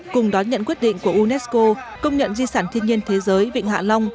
cùng đón nhận quyết định của unesco công nhận di sản thiên nhiên thế giới vịnh hạ long